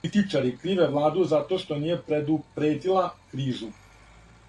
Критичари криве владу зато што није предупредила кризу.